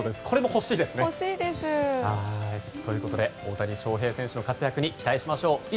これも欲しいですね。ということで大谷翔平選手の活躍に期待しましょう。